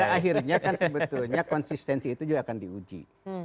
tapi sebetulnya konsistensi itu juga akan diuji